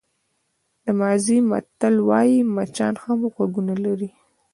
د مازی متل وایي مچان هم غوږونه لري.